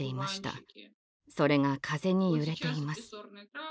それが風に揺れています。